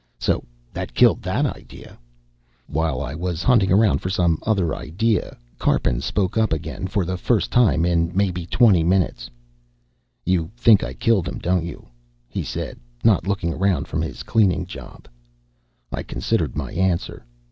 So that killed that idea. While I was hunting around for some other idea, Karpin spoke up again, for the first time in maybe twenty minutes. "You think I killed him, don't you?" he said, not looking around from his cleaning job. I considered my answer.